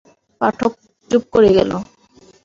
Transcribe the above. পাঠক চুপ করে গেল।